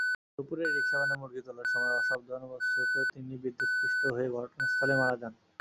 দুপুরে রিকশাভ্যানে মুরগি তোলার সময় অসাবধানতাবশত তিনি বিদ্যুৎস্পৃষ্ট হয়ে ঘটনাস্থলেই মারা যান।